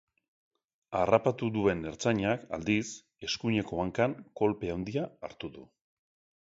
Harrapatu duen ertzainak, aldiz, eskuineko hankan kolpe handia hartu du.